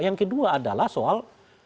yang kedua adalah soal